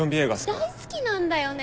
大好きなんだよね。